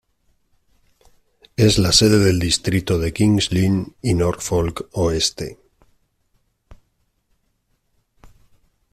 Es la sede del distrito de King's Lynn y Norfolk Oeste.